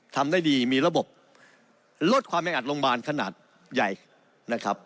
ทำได้ดีมีระบบลดความแออัดโรงพยาบาลขนาดใหญ่นะครับ